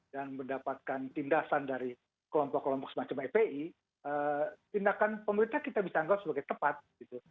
dan mendapatkan tindasan dari kelompok kelompok semacam fpi tindakan pemerintah kita bisa anggap sebagai tepat gitu